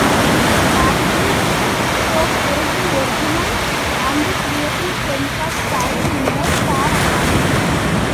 Chatelain showcased original and creative sense of style in the Star Academy.